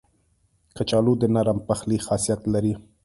کچالو د نرم پخلي خاصیت لري